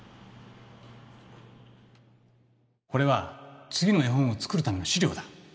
これは次の絵本を作るための資料だ